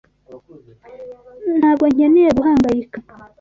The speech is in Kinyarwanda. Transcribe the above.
Ntabwo nkeneye guhangayika.